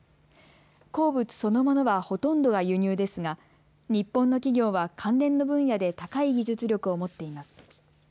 鉱物そのものはほとんどが輸入ですが日本の企業は関連の分野で高い技術力を持っています。